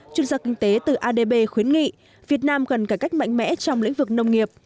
chuyên gia kinh tế từ adb khuyến nghị việt nam cần cải cách mạnh mẽ trong lĩnh vực nông nghiệp